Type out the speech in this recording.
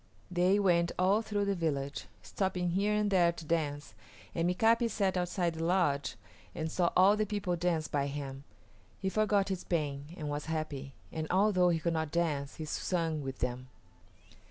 They went all through the village, stopping here and there to dance, and Mika´pi sat outside the lodge and saw all the people dance by him. He forgot his pain and was happy, and although he could not dance, he sung with them.